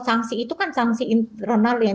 sanksi itu kan sanksi internal yang